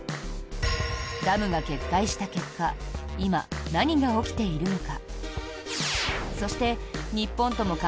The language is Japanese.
ダムが決壊した結果今、何が起きているのか。